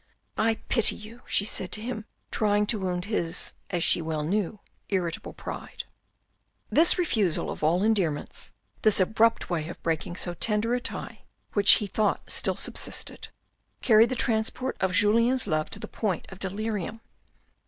I pity you," she said to him, trying to wound his, as she well knew, irritable pride AN AMBITIOUS MAN 225 This refusal of all endearments, this abrupt way of breaking so tender a tie which he thought still subsisted, carried the transports of Julien's love to the point of delirium.